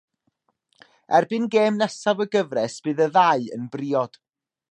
Erbyn gêm nesaf y gyfres bydd y ddau yn briod.